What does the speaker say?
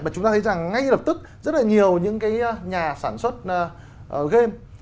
mà chúng ta thấy rằng ngay lập tức rất là nhiều những cái nhà sản xuất game